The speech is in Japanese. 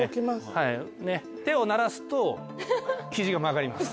はい手を鳴らすと肘が曲がります。